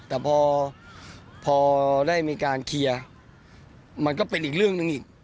แต่พอได้มีการเคลียร์มันก็เป็นอีกเรื่องหนึ่งอีก